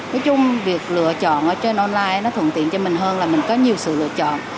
nói chung việc lựa chọn ở trên online nó thuận tiện cho mình hơn là mình có nhiều sự lựa chọn